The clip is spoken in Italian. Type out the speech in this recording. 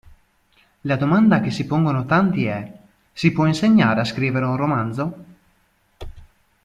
La domanda che si pongono tanti è: si può insegnare a scrivere un romanzo?